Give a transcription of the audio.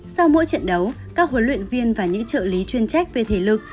sau mỗi trận đấu các huấn luyện viên và những trợ lý chuyên trách về thể lực